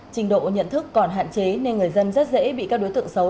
trình độ nhận thức còn hạn chế nên người dân rất dễ bị các đối tượng xấu